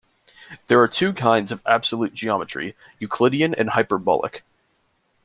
There are two kinds of absolute geometry, Euclidean and hyperbolic.